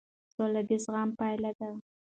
سوله د زغم پایله ده